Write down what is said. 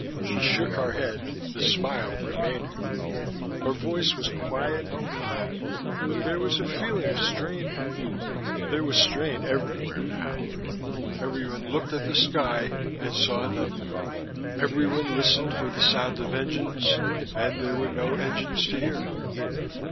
She shook her head, the smile remaining. Her voice was quiet and calm, but there was a feeling of strain in it: there was strain everywhere, now. Everyone looked at the sky, and saw nothing: everyone listened for the sound of engines, and there were no engines to hear.